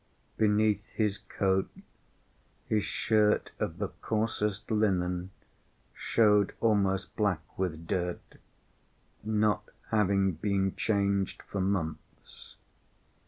Beneath his coat, his shirt of the coarsest linen showed almost black with dirt, not having been changed for months.